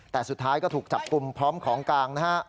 แต่สุดท้ายก็ถูกจับกลุ่มพร้อมของกลางนะฮะ